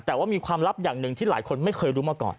แต่ว่ามีความลับอย่างหนึ่งที่หลายคนไม่เคยรู้มาก่อน